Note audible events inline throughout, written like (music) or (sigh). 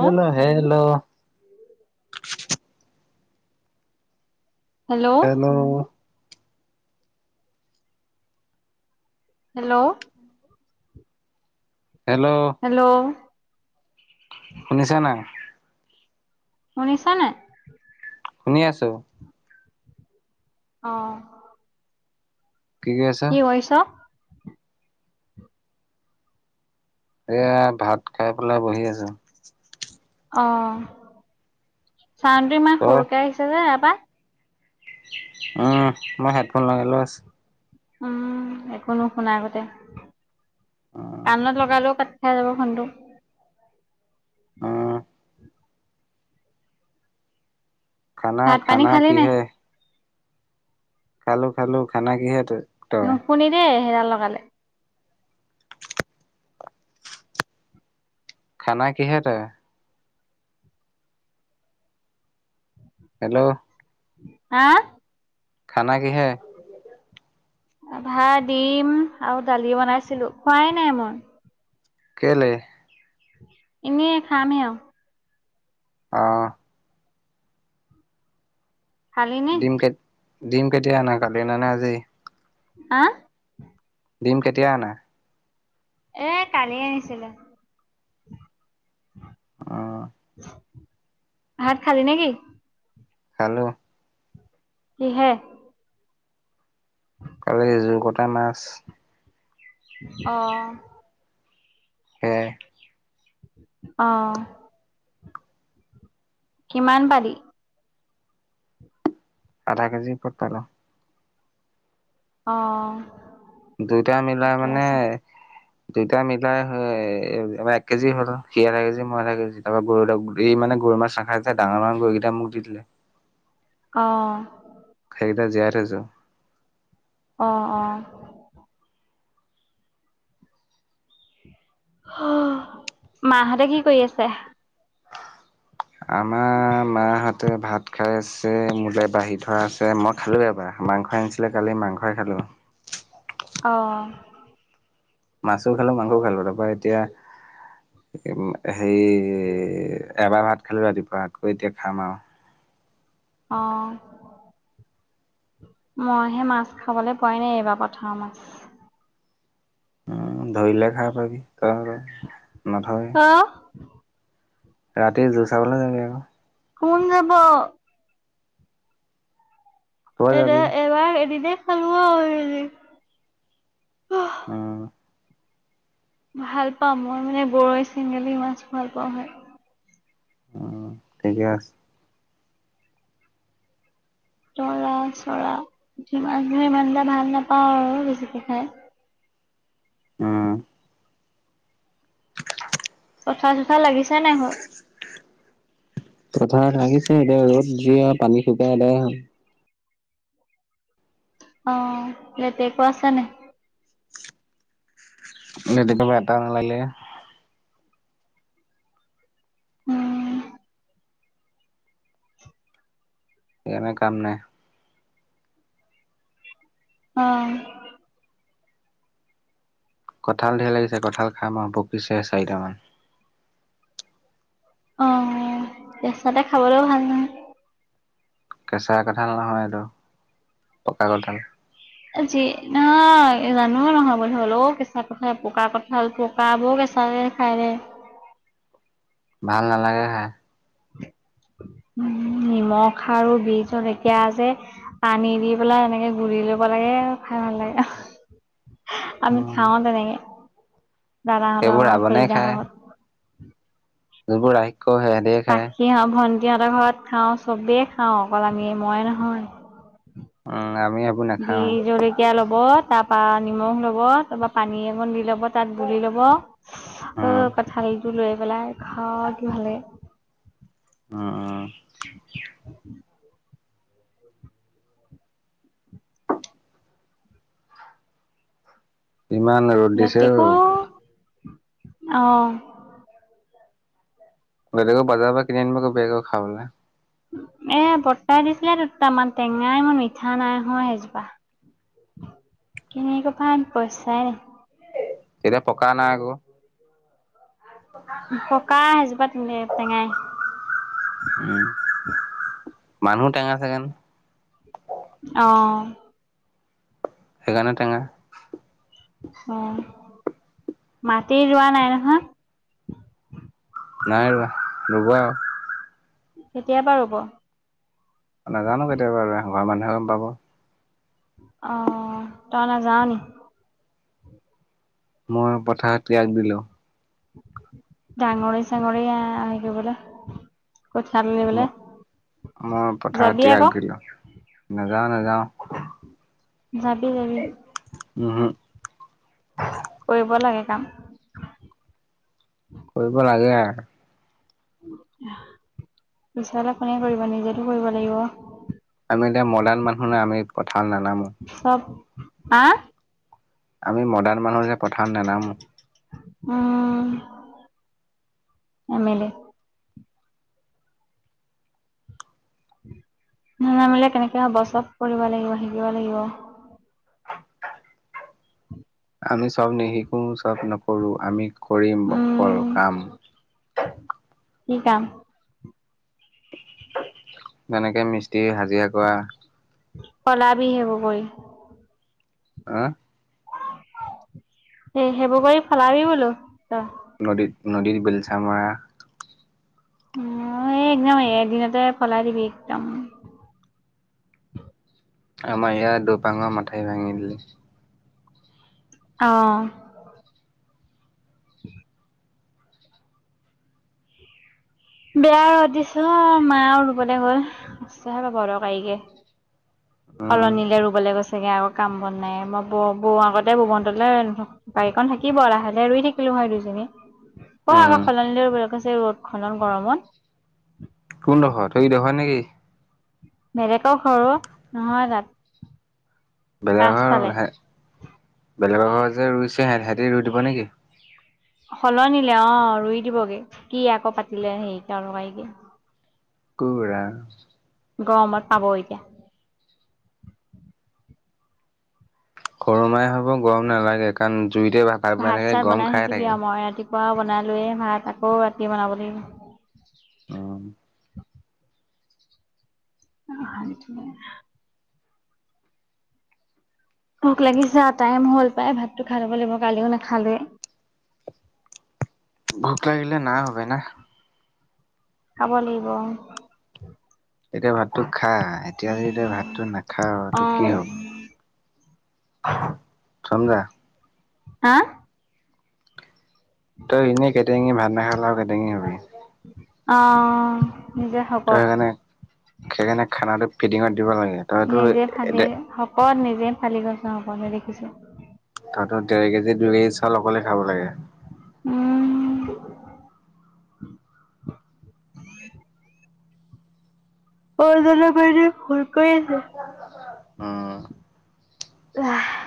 Hello! Hello! Hello! Hello! (inaudible) Hello! Hello! শুনিছা নাই? শুনিছা নাই? শুনি আছো। অঁ। কৰি আছ কি কৰিছ? এয়া ভাত খাই পেলাই বহি আছো। অহ, চাউণ্ডটো ইমান তই সৰুকে আহিছে যে এয়াপা অঁহ, মই হেডফোন লগাই লোৱা আছে। উম একো নুশুনা কতে উম কাণত লগালেও খাই যাব ফোনটো। অঁহ। খানা ভাত পানী খানা খালি নাই কিহে? খালো খালো। খানা কিহে তোৰ? নুশুনে দেই হেডাল লগালে। খানা কিহে তই? হেল্ল'! হা? খানা কিহে? ভাত দিম আৰু দালি বনাইছিলো, খোৱাই নাই মই। কেলে? এনেই খামহে আৰু। অহ। খালি নে ডিম কে ডিম কেতিয়া অনা কালি নে আজি? হা? দিম কেতিয়া আনা? এ কালি আনিছিলো উম ভাত খালি নেকি? খালোঁ। কিহে?? কালি জোৰ কটা মাছ। অ'। সে- অ'। কিমান পালি? আধা কেজি ওপৰত পালোঁ। অ'। দুয়টা মিলাই ঠিকে মানে (inaudible) দুইতটা মিলাই এক কেজি হ'ল সি আধা কেজি মই আধা কেজি তাৰ পৰাৰা গৰু মানে গৰু মাছ চ খাইছে ডাঙৰ ডাঙৰ কৈ কেইটা মোক দি দিলে। অ'। (unintelligible) অ', অ'। মাহঁতে কি কৰি আছে? আমাৰ মাহঁতে ভাত খাই আছে‌। মোলে বাঢ়ি থোৱা আছে মই খালোঁ এবাৰ মাংস আনিছিল- আ কালি মাংসই খালোঁ। অ'। মাছো খালোঁ মাংস খালোঁ তাৰপৰা এতিয়া হে এবাৰ ভাত খালো ৰাতিপুৱা আকৌ এতিয়া খাম আৰু। অ'। মইহে মাছ খাবলৈ পোৱাই নাই এইবাৰ পথাৰ মাছ। উম ধৰিলে খাব পাবি ত নধয়। অ' ৰাতি যোৰ চাবলৈ যাবে আৰু- কোন যাব? তই এতি যাবি এবাৰ এদিনে খালো। উম ভাল পাওঁ মই মানে বৰৈ, চেংগেলী মাছ ভাল পাওঁ হয়। উ ঠিকে আছে। তৰা চৰা পুঠি মাছবোৰ ইমান এটা ভাল নাপাওঁ আৰু বেছিকে খাই। উম (unintelligible) কঠাল চঠাল লাগিছে নে নাই? কথঠাল থাকিছে এতিয়া ৰ'দ যে আৰু পানী শুকাই এদাই হ'ল। অ লেতেকো আছে নে? (unintelligible) উম, এনে কাম নাই। অ'। কঁঠাল ধেৰ লাগিছে কঠাল খাম আৰু পকিছে চাৰিটামান। অ কেচাতে খাবলৈও ভাল নহয়। কেঁচা কঁঠাল নহয় এইটো পকা কঁঠাল। (inaudible) পকা কঁঠাল প পাব কেচাকে খাই দে। ভাল নালাগে খাই। (inaudible) নিমখ খাৰু বী জলকীয়া যে। পানী দি পেলাই এনেকে গুৰি লব লাগে (inaudible) খাই ভাল লাগে। (inaudible) আমি উম, খাও তেনেকে দাদাহত সেইবোৰ ৰাৱণে ফৰিজা হেত ঘৰত। যিবোৰ ৰাক্ষ্য সিহঁতে হে খাই। (inaudible) ভণ্টিহঁতৰ ঘৰত খাওঁ চবেই খাওঁ অকল আমি মই নহয়। উম আমি বি নাখাওঁ। জলকীয়া ল'ব তাপা নিমখ ল'ব তাপা পানী অকণ দি ল'ব তাত গোলি ল'ব অ উম কঁঠালটো লৈ পেলাই খাওঁ কি ভালে লাগে। অ অ। (unintelligible) কিমান আ লেতিকো অহ। বেলেগক (inaudible) পৰা কিনি (inaudible) খাবলৈ এ ব্ৰতাই দিছিলে দুটা মান টেঙা মিঠা নাই হোৱা সেইজোপা। (inaudible) পইচাই। তেতিয়া পকা নাই আকৌ। (unintelligible) পকা সেইজোপা (inaudible) টেঙাই। (inaudible) উম মানুহ টেঙা চাগে অ। সেইকাৰণে টেঙা। অ মাটি ৰোৱা নাই নহয়। নাই ৰুৱা ৰুব আও। কেতিয়াপা ৰুব। নাজানো কেতিয়াপা ৰোৱে (inaudible) মানুহে গম পাব। অঁ তই নাযাও নি। মই পথা ত্যাগ দিলো। ডাঙৰি চাঙৰি আ (inaudible) বলে। কঠিয়া তুলি বলে, যাবি আকৌ। নাযাওঁ নাযাওঁ। যাবি যাবি। উহু। কৰিব লাগে কাম। কৰিব লাগে আ (inaudible) পিচলে কোনে কৰিব নিজেতো কৰিব লাগিব। আমি এতিয়া মডন মানুহ না আমি পথা নানামো। চব, আ। আমি মডাৰ্ণ মানুহ যে পথাৰত নেনামো। উম এমেলে। নেনামিলে কেনেকে হ'ব চব কৰিব লাগিব শিকিব লাগিব। আমি চব নিশিকো চব নকৰো আমি কৰিম অকল উম কাম। কি কাম? তেনেকে মিস্ত্ৰী হাজিৰা কৰা। কলাবি সেই বোৰ কৰি হা এ', সেইবোৰ কৰি ফলাবি বোলো ত, নদীত নদীত বেলচা মৰা অ', এই একদম এদিনতে পলাই দিবি একদম আমাৰ ইয়াত দুপাঙৰ মথাাই ভাঙি দিলে। অ', (inaudible) বেয়া ৰ'দ দিছে অ, মা আৰু ৰুবলৈ গল কষ্ট হে পাব আৰু গাড়িকে উম সলনিলে ৰুবলৈ গৈছেগে আকৌ কাম বন নাই মই বৌ বৌ আগতে ববটো ৰান্ধো বাৰীখন থাকিব লাহে-লাহে ৰুই থাকিলো হয়। দুজনী অ', উম আগৌ খলনিল বেলেগৈছে ৰ'দ খলন গৰমত কোনডোখৰ ত সৰি দেখৰ নেকি? বেলেগেকৰ ঘৰ অ, নহয় তাত বেলেগৰ পাছফালে ঘৰ বেলেগৰ ঘৰৰ যে ৰুইছে সেহেতি ৰুই দিব নেকি? সলনিলে অ, ৰুই দিবগে কি আকৌ পাতিলে হেৰি লগাই কি? কুৰা গৰমত পাব এতিয়া। সৰুমাই হ'তৰ গৰম নালাগে। কাৰণ জুইতে ভাত বনাই ভাত থাকে চাত গৰম বনাই খাই থাকিবি থাকে। আৰু মই ৰাতিপুৱাও বনালোৱে ভাত আকৌ ৰাতি বনাব লাগিব। অ', (unintelligible) ভোক লাগিছে। আ টাইম হ'ল পায় ভাতটো খাই ল'ব লাগিব কালিও নাখালোৱে। (inaudible) ভোক লাগিলে না হবে না। খাব লাগিব অ, এতিয়া ভাতটো খা এতিয়া যদি তই ভাতটো নাখাৱ অ তোৰ কি হব। (inaudible) সমজা। আ', তই এনেই কেটয়াঙি ভাত নাখালে আৰু কেটঙি হবি। অ', নিজে তই শকত সেইকাৰণে, সেইকাৰণে খানাটো ফিডিঙত দিব লাগে। তইতটো (unintelligible) পদ নিজে ফালি গৈছে সকোলোৱে দেখিছোঁ। তহঁতৰ ডেৰ কেজি দুই কেজি চাউল অকলে খাব লাগে। উম', উম, (unintelligible)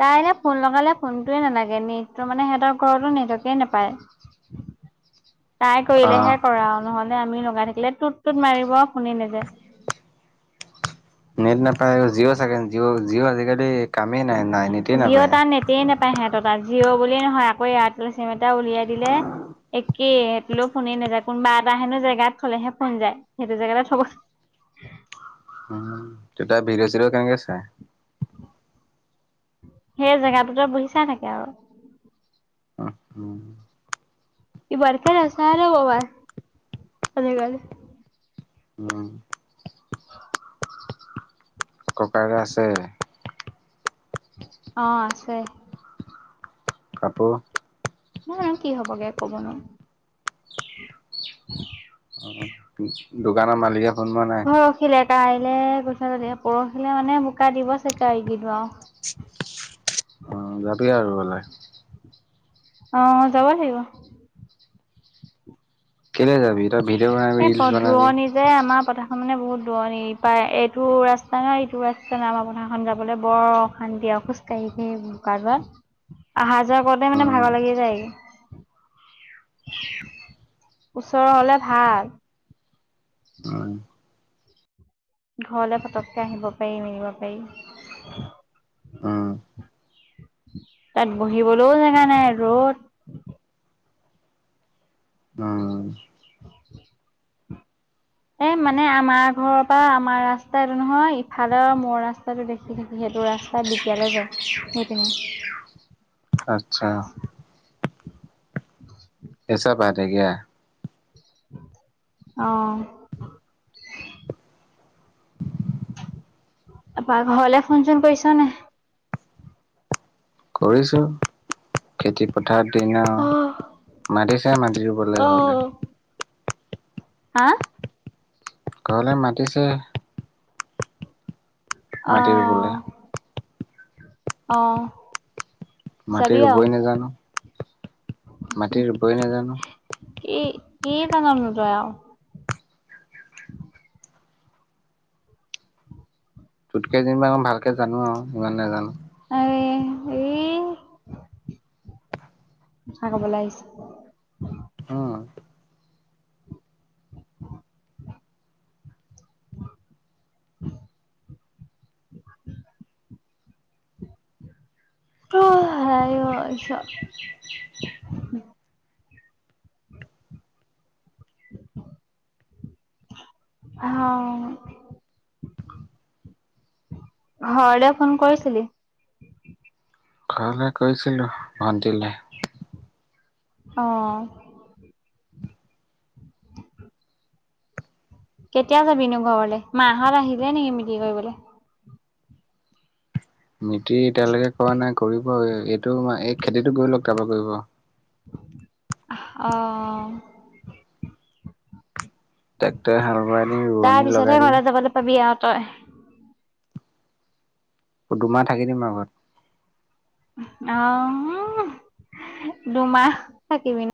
তাইলে ফোন লগালে ফোনটোৱে নালাগে। নেটতো মানে সিহঁতৰ ঘৰতো নেটৱৰ্কে নাপায়। (inaudible) তাই অ'। কৰিলেহে কৰা আও নহলে আমি লগাই থাকিলে, টোত-টোত মাৰিব আৰু ফোনে নাযায়। নেট নাপায় জিঅ চাগে জিঅ-জিঅ আজিকালি কামেই নাই-নাই নেটেই নাপায়। টেই নাপায়। সিহঁতৰ তাত জিঅ' বুলিয়েই নহয় আকৌ এয়াৰটেলৰ চিম এটা উলিয়াই দিলে। এক কে সেইটোলৈও ফোনে নাযায়। কোনোবা এটা হেনো জেগাত থ'লেহে ফোন যায়, সেইটো জেগাতে থব (inaudible) হম', তেতিয়া ভিদিঅ-চিদিঅ কেনেকে চাই? সেই জেগাটোতে বহি চাই থাকে আৰু (unintelligible) ইমানকে নাচাই আৰু মোবাইল, আজিকালি। (unintelligible) ককায়েক আছে? অ' আছে। কাপোৰ? নাই কি হ'বগে ক'ব নোৱাৰো। (inaudible) দোকানৰ মালিকে ফোন মৰা নাই? খিলে কাইলে পইচাটো দিয়ে, পৰহিলে মানে বোকা দিব চাগে (unintelligible) অ' যাবি আৰু ৰুবলে। অ' যাব লাগিব। কেলে যাবি? তই ভিডিঅ' বনাবি এ, ৰিলচ পদ বনাবি। ৰোৱনী যে আমাৰ পথাৰখন মানে বহুত দূৰণি, ইপাৰে এইটো ৰাস্তা নাই এইটো ৰাস্তা নাই আমাৰ পথাৰখন যাবলে বৰ অশান্তি আও খোজ কাঢ়ি কাঢ়ি বোকাৰপা। আহা যোৱা কৰোঁতে মানে উম, ভাগৰ লাগি যায়গে। ওচৰৰ হ'লে ভাল। (unintelligible) ঘৰলে পটককে আহিব পাৰি, মেলিব পাৰি। উম, তাত বহিবলৈও জেগা নাই, ৰ'দ। উম, (inaudible) এ, মানে আমাৰ ঘৰৰ পৰা আমাৰ ৰাস্তা এইটো নহয়, ইফালৰ মোৰ ৰাস্তাটো দেখি দেখি থাকি সেইটো ৰাস্তা বিপিয়ালে যায়, সেইপিনে। আচ্ছা। (inaudible) এচা পাই থাকিয়া। অ'। বা ঘৰলে ফোন চোন কৰিছা নে? কৰিছোঁ, খেতি পথাৰৰ দিন অ', আৰু। মাতিছে মাটি ৰুবলে ঘৰলে। অ'। হা? ঘৰলে মাতিছে। মাটি ৰুবলে অ'। অ'। মাটি যাবি আৰু। ৰুবই নাজানো। মাটি ৰুবই নাজানো। কি কি (unintelligible) তোতকে জনিবা অকণ ভালকে জানো আৰু, ইমান নাজানো। আৰে এ, কথা ক'বলে আহিছে। অ'। (inaudible) (inaudible) (unintelligible) (inaudible) হ। ঘৰলে, ফোন কৰিছিলি? ঘৰলে কৰিছিলোঁ, ভণ্টিলে। অ'। কেতিয়া যাবিনো ঘৰলে, মাহঁত আহিলে নেকি মিটি কৰিবলে? মিতি এতিয়ালৈকে কৰা নাই, কৰিব আৰু, এইটো, এই খেতিটো গৈ লওক তাৰপৰা কৰিব। অ'। ট্ৰেক্টৰে হাল বাই দিম, ৰোৱনী লগাই দিম। চাবি আৰু তই। দুুমাহ থাকি দিম আৰু ঘৰত। অ', দুমাহ থাকিবিনে?